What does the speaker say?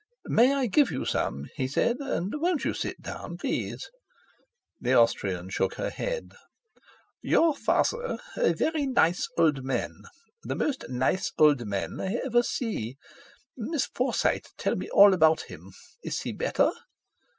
"May I give you some?" he said. "And won't you sit down, please?" The Austrian shook her head. "Your father a very nice old man—the most nice old man I ever see. Miss Forsyte tell me all about him. Is he better?"